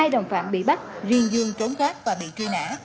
hai đồng phạm bị bắt riêng dương trốn gác và bị truy nã